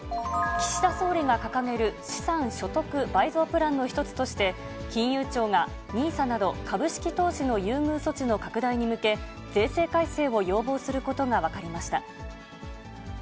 岸田総理が掲げる資産・所得倍増プランの一つとして、金融庁がＮＩＳＡなど、株式投資の優遇措置の拡大に向け、税制改正を要望することが分かりました。